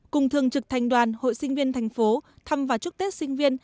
cùng thường trực thành đoàn hội sinh viên thành phố thăm và chúc tết sinh viên